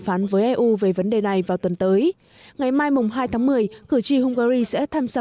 phán với eu về vấn đề này vào tuần tới ngày mai hai tháng một mươi cử tri hungary sẽ tham gia